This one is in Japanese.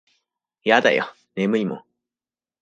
やだよ眠いもん。